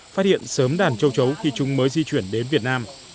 phát hiện sớm đàn châu chấu khi chúng mới di chuyển đến việt nam